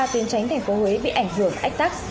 tuyến tránh thành phố huế bị ảnh hưởng ách tắc